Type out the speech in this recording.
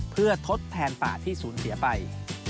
เพื่อทดแทนป่าที่สูญเสียไป